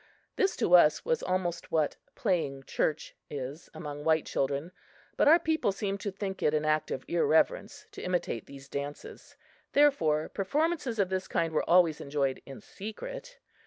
This, to us, was almost what "playing church" is among white children, but our people seemed to think it an act of irreverence to imitate these dances, therefore performances of this kind were always enjoyed in secret.